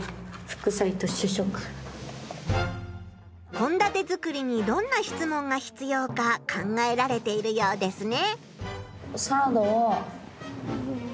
こんだて作りにどんな質問が必要か考えられているようですね。